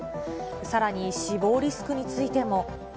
さらに、死亡リスクについても。